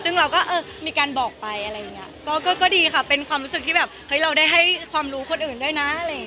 ซึ่งเราก็เออมีการบอกไปอะไรอย่างนี้ก็ดีค่ะเป็นความรู้สึกที่แบบเฮ้ยเราได้ให้ความรู้คนอื่นด้วยนะอะไรอย่างนี้